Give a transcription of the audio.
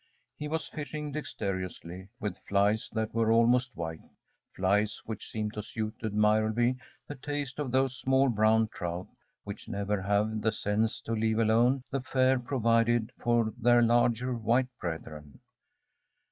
He was fishing dexterously with flies that were almost white flies which seemed to suit admirably the taste of those small brown trout which never have the sense to leave alone the fare provided for their larger white brethren.